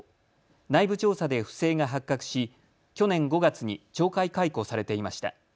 内部調査で不正が発覚し去年５月に懲戒解雇されていました。